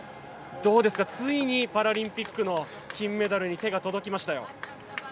どうですか、ついにパラリンピックの金メダルに手が届きましたよ。